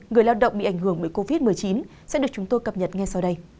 người lao động bị ảnh hưởng bởi covid một mươi chín sẽ được chúng tôi cập nhật ngay sau đây